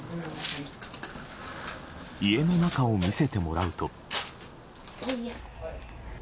家の中を見せてもらうと。